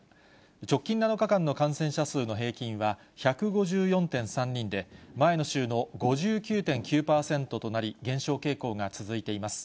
直近７日間の感染者数の平均は１５４．３人で、前の週の５９．９％となり、減少傾向が続いています。